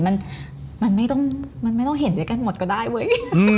มันไม่ต้องเห็นใจกันหมดก็ได้เว้ย